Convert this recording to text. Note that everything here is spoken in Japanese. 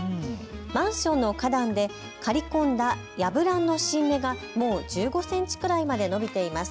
マンションの花壇で刈り込んだヤブランの新芽がもう１５センチくらいまで伸びています。